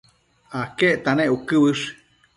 aquecta nec uëquë uësh?